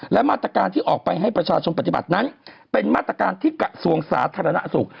และมาตรการที่ออกไปให้ประชาชนปฏิบัตินั้นเป็นมาตรการที่กระทรวงสาธารณสุข